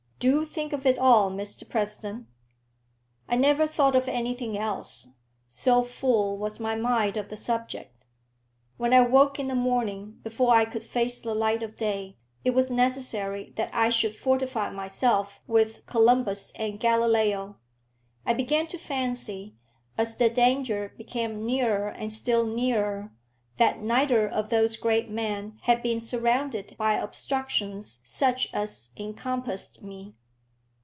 Do think of it all, Mr President." I never thought of anything else, so full was my mind of the subject. When I woke in the morning, before I could face the light of day, it was necessary that I should fortify myself with Columbus and Galileo. I began to fancy, as the danger became nearer and still nearer, that neither of those great men had been surrounded by obstructions such as encompassed me.